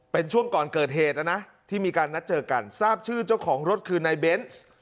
เป็นช่วงก่อนเกิดเหตุแล้วนะที่มีการนัดเจอกันทราบชื่อเจ้าของรถคือนายเบนส์